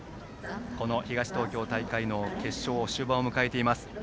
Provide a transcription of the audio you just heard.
この東東京大会の決勝終盤を迎えています。